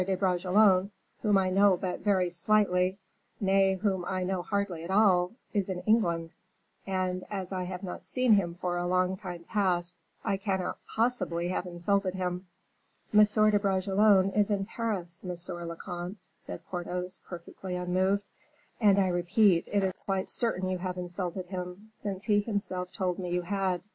de Bragelonne, whom I know but very slightly, nay, whom I know hardly at all is in England, and, as I have not seen him for a long time past, I cannot possibly have insulted him." "M. de Bragelonne is in Paris, monsieur le comte," said Porthos, perfectly unmoved; "and I repeat, it is quite certain you have insulted him, since he himself told me you had.